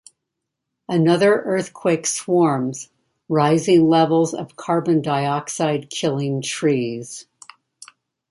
Another earthquake swarms, rising levels of carbon dioxide killing trees.